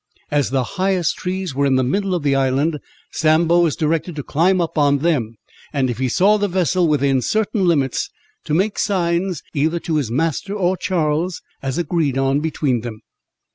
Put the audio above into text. As the highest trees were in the middle of the island, Sambo was directed to climb up on them, and if he saw the vessel within certain limits, to make signs, either to his master or Charles, as agreed on between them.